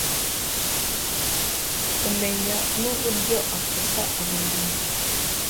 umenya n’uburyo afata abantu,